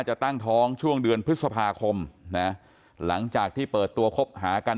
จะตั้งท้องช่วงเดือนพฤษภาคมนะหลังจากที่เปิดตัวคบหากัน